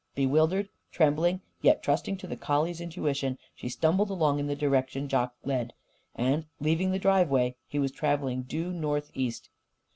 Bewildered, trembling, yet trusting to the collie's intuition, she stumbled along in the direction Jock led. And, leaving the driveway, he was travelling due northeast.